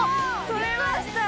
取れました！